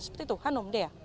seperti itu hanum dea